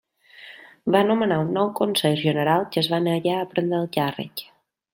Va nomenar un nou Consell General que es va negar a prendre el càrrec.